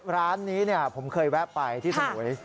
ร้านนี้ผมเคยแวะไปที่สมุย